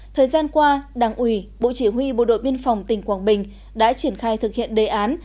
thời gian qua đảng ủy bộ chỉ huy bộ đội biên phòng tỉnh quảng bình đã triển khai thực hiện đề án